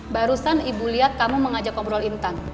barusan ibu lihat kamu mengajak ngobrol intan